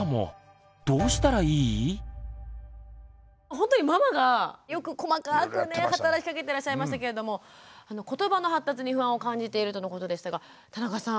ほんとにママがよく細かくね働きかけていらっしゃいましたけれどもことばの発達に不安を感じているとのことでしたが田中さん